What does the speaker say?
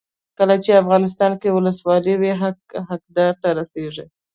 کله چې افغانستان کې ولسواکي وي حق حقدار ته رسیږي.